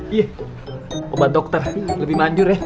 iya beban dokter lebih manjur ya